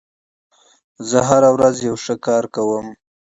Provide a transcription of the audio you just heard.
زه هره ورځ یو ښه کار کوم.